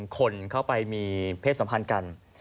คนเข้าไปมีเพศสัมพันธ์กัน